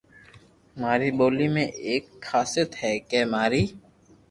ماري ٻولي ۾ ايڪ خاصيت ھي ڪي ماري